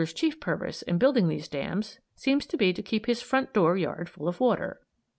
Beaver's chief purpose in building these dams seems to be to keep his front door yard full of water.